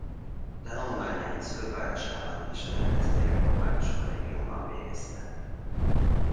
Tanulmányait szülővárosában és a debreceni református kollégiumban végezte.